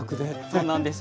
そうなんです。